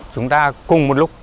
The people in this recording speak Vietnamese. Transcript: chúng ta cùng một lúc